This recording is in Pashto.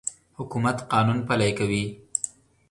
حکومت قانون پلی کوي.